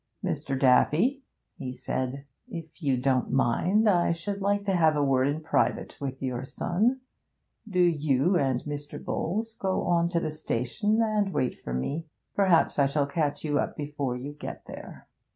'Mr. Daffy,' he said, 'if you don't mind, I should like to have a word in private with your son. Do you and Mr. Bowles go on to the station, and wait for me; perhaps I shall catch you up before you get there.'